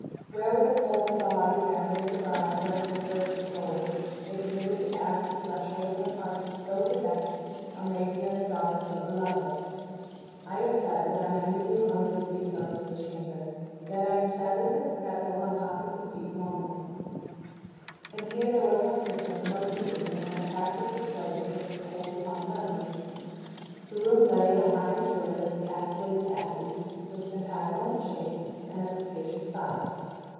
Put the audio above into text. Where were the souls of the haughty family of the bride, when, through thirst of gold, they permitted to pass the threshold of an apartment so bedecked, a maiden and a daughter so beloved? I have said, that I minutely remember the details of the chamber yet I am sadly forgetful on topics of deep moment; and here there was no system, no keeping, in the fantastic display to take hold upon the memory. The room lay in a high turret of the castellated abbey, was pentagonal in shape, and of capacious size.